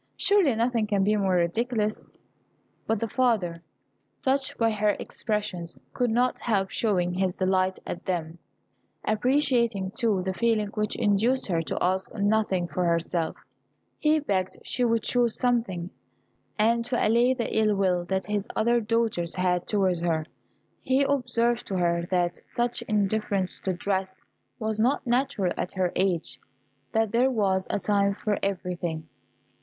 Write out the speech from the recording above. Surely nothing can be more ridiculous." But the father, touched by her expressions, could not help showing his delight at them; appreciating, too, the feeling which induced her to ask nothing for herself, he begged she would choose something; and to allay the ill will that his other daughters had towards her, he observed to her that such indifference to dress was not natural at her age that there was a time for everything.